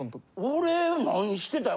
俺何してたんや。